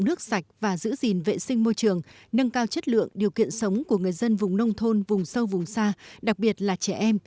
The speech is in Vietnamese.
nước sạch và giữ gìn vệ sinh môi trường nâng cao chất lượng điều kiện sống của người dân vùng nông thôn vùng sâu vùng xa đặc biệt là trẻ em